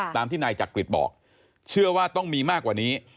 ตามที่นายจักริตบอกเชื่อว่าต้องมีมากกว่านี้